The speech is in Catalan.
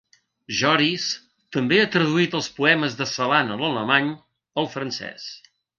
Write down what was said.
Joris també ha traduït els poemes de Celan en alemany al francès.